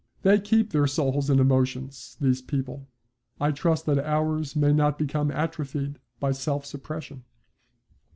They keep their souls and emotions, these people. I trust that ours may not become atrophied by self suppression.